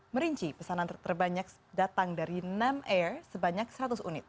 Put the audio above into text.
merinci pesanan terbanyak datang dari nam air sebanyak seratus unit